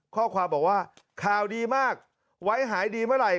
ข้อความบอกว่าข่าวดีมากไว้หายดีเมื่อไหร่